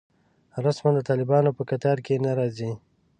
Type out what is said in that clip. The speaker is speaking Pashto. رسماً د طالبانو په کتار کې نه راځي.